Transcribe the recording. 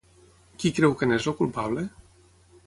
Qui creu que n'és el culpable?